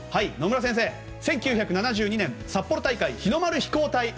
野村先生、１９７２年札幌大会日の丸飛行隊。